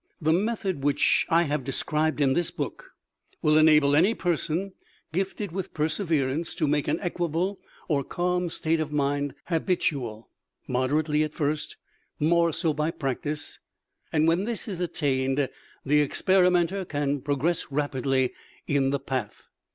The method which I have described in this book will enable any person gifted with perseverance to make an equable or calm state of mind habitual, moderately at first, more so by practice. And when this is attained the experimenter can progress rapidly in the path.